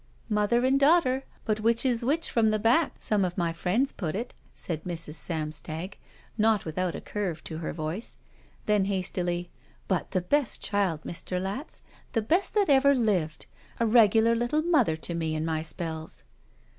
"Mother and daughter, but which is which from the back, some of my Mends put it," said Mrs. Samstag, not without a curve to her voice; then, hastily: "But the best child, Mr. Latz. The best that ever lived. A regular little mother to me in my si)ells."